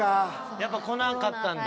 やっぱ来なかったんだ。